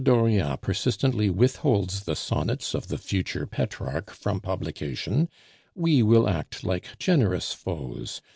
Dauriat persistently withholds the Sonnets of the future Petrarch from publication, we will act like generous foes.